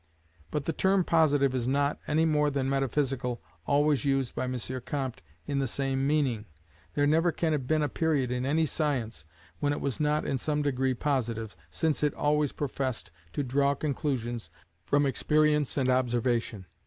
But the term Positive is not, any more than Metaphysical, always used by M. Comte in the same meaning. There never can have been a period in any science when it was not in some degree positive, since it always professed to draw conclusions from experience and observation.